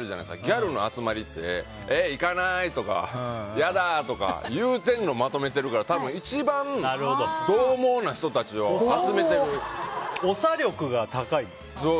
ギャルの集まりってえ、行かないとか嫌だとか言うてるのまとめてるから多分、一番獰猛な人たちを長力が高い。